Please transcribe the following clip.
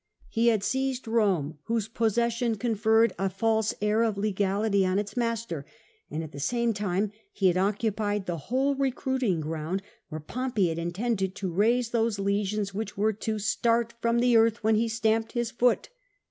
He had seized Romo, whose possession conferred a false CiESAR 326 air of legality on its master, and at the same time he had occupied the whole recruiting ground where Pompey had intended to raise those legions which were '*to start from the earth when he stamped his foot."